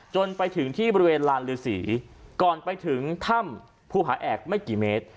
จนไปถึงที่บริเวณลานฤษีก่อนไปถึงถ้ำภูผาแอกไม่กี่เมตร